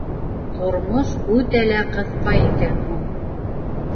Тормош үтә лә ҡыҫҡа икән ул.